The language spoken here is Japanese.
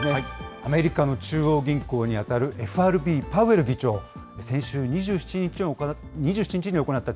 アメリカの中央銀行に当たるＦＲＢ、パウエル議長、先週２７日に行った、